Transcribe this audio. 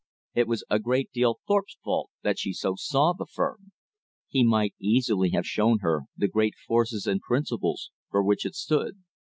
It was a great deal Thorpe's fault that she so saw the firm. He might easily have shown her the great forces and principles for which it stood.